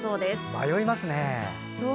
迷いますね！